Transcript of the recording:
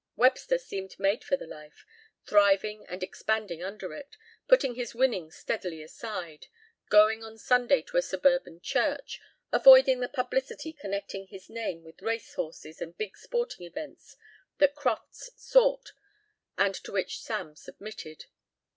Webster seemed made for the life, thriving and expanding under it, putting his winnings steadily aside, going on Sunday to a suburban church, avoiding the publicity connecting his name with race horses and big sporting events that Crofts sought and to which Sam submitted.